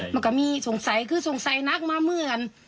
มันก็มีสงสัยคือสงสัยนักมาเหมือนกัน